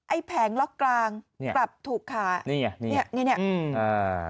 ไอ้แผงล็อกกลางกลับถูกขานี่นี่นี่นี่